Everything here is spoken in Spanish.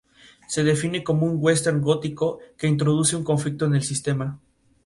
Se define como un western gótico que introduce un conflicto en el sistema.